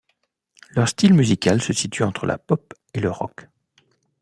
Leur style musical se situe entre la pop et le rock.